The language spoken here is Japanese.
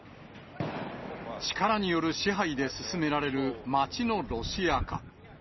力による支配で進められる街のロシア化。